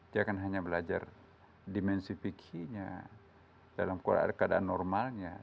tidak hanya belajar dimensi fikihnya dalam keadaan normalnya